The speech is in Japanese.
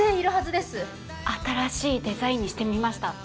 新しいデザインにしてみました。